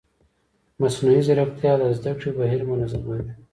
مصنوعي ځیرکتیا د زده کړې بهیر منظموي.